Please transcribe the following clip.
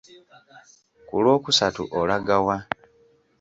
Ku lwokusatu olaga wa?